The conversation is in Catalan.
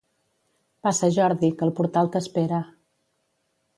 Passa Jordi, que el portal t'espera.